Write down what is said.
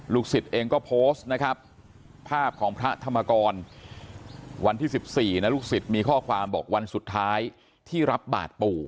สิทธิ์เองก็โพสต์นะครับภาพของพระธรรมกรวันที่๑๔นะลูกศิษย์มีข้อความบอกวันสุดท้ายที่รับบาทปู่